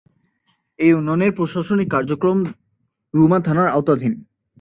এ ইউনিয়নের প্রশাসনিক কার্যক্রম রুমা থানার আওতাধীন।